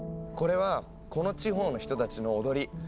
これはこの地方の人たちの踊り。